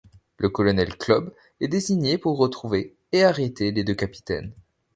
Le colonel Klobb est désigné pour retrouver et arrêter les deux capitaines.